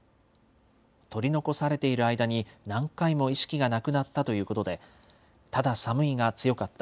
取り残されている間に、何回も意識がなくなったということで、ただ寒いが強かった。